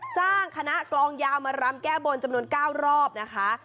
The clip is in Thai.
จ้างคณะกลองยาวมารำแก้บนจำนวน๙รอบนะคะ